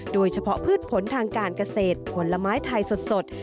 โดยเฉพาะพืชผลทางการเกษตรผลไม้ไทยสด